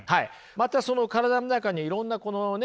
またその体の中にいろんなこのね